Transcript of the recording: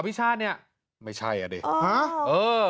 อภิชาตรเนี่ยไม่ใช่อ่ะดิ